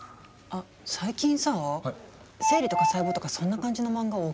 あっ最近さぁ生理とか細胞とかそんな感じの漫画多くない？